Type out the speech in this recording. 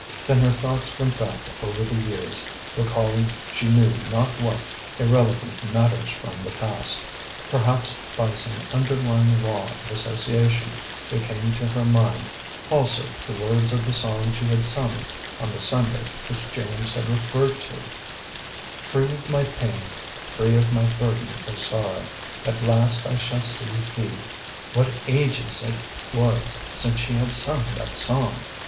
Then her thoughts went back over the years, recalling she knew not what irrelevant matters from the past. Perhaps by some underlying law of association, there came to her mind, also, the words of the song she had sung on the Sunday which James had referred to "Free of my pain, free of my burden of sorrow, At last I shall see thee " What ages it was since she had sung that song!